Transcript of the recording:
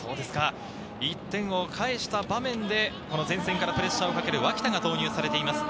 １点を返した場面で前線からプレッシャーをかける脇田が投入されています。